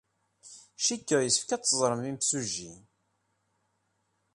Cikkeɣ yessefk ad teẓrem imsujji.